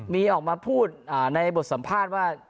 มีออกมาพูดในบทสัมภาษณ์ว่า